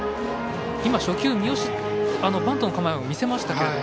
初球、三好バントの構え見せましたが。